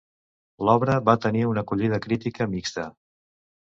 L'obra va tenir una acollida crítica mixta.